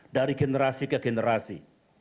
dari generasi ke generasi